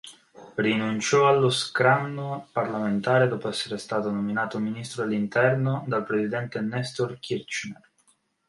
Rinunciò allo scranno parlamentare dopo essere stato nominato ministro dell'Interno dal presidente Néstor Kirchner.